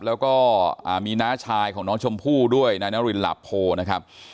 แล้วก็มีน้าชายของน้องชมพู่ด้วยนายนารินหลับโพนะครับ